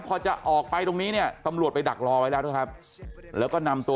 พอจะออกไปตรงนี้เนี่ยตำรวจไปดักรอไว้แล้วด้วยครับแล้วก็นำตัว